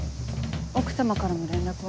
奥様からの連絡は？